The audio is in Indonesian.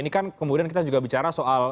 ini kan kemudian kita juga bicara soal